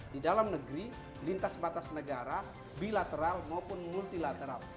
di dalam negeri lintas batas negara bilateral maupun multilateral